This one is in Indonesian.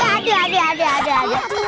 aduh aduh aduh aduh